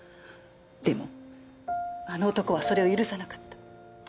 でもあの男はそれを許さなかった。